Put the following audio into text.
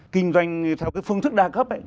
kinh doanh theo cái phương thức đa cấp ấy